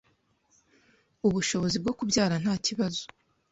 ubushobozi bwo kubyara nta kibazo